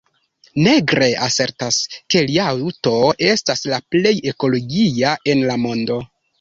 Negre asertas, ke lia aŭto estas la plej ekologia en la mondo.